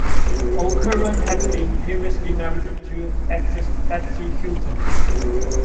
O'Curran had been previously married to actress Betty Hutton.